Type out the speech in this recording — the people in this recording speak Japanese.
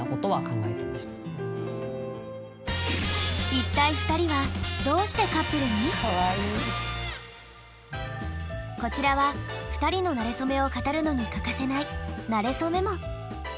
一体２人はこちらは２人のなれそめを語るのに欠かせない「なれそメモ」！